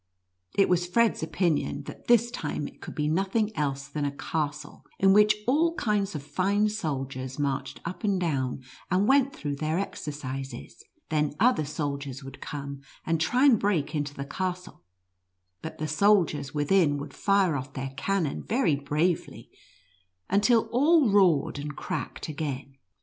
It was Fred's opinion that this time it could be nothing else than a castle, in which all kinds of fine soldiers marched up and down and went through their exercises ; then other soldiers would come, and try to break into the castle, but the soldiers within would fire off their cannon very bravely, until all roared and cracked again.